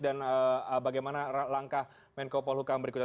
dan bagaimana langkah menko paul hukam berikutnya